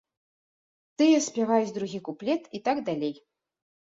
Тыя спяваюць другі куплет і так далей.